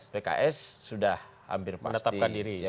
pks sudah hampir pasti